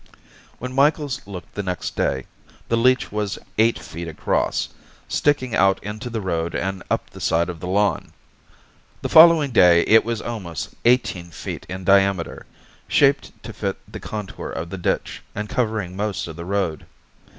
When Micheals looked the next day, the leech was eight feet across, sticking out into the road and up the side of the lawn. The following day it was almost eighteen feet in diameter, shaped to fit the contour of the ditch, and covering most of the road.